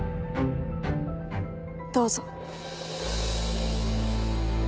どうぞ。